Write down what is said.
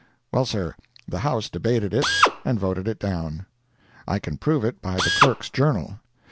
Well, sir, the House debated it and voted it down. I can prove it by the Clerk's Journal.